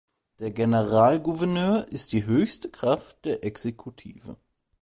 Der Generalgouverneur ist die höchste Kraft der Exekutive.